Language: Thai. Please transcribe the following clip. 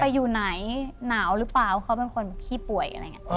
อยู่ไหนหนาวหรือเปล่าเขาเป็นคนขี้ป่วยอะไรอย่างนี้